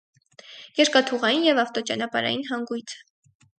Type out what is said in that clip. Երկաթուղային և ավտոճանապարհների հանգույց է։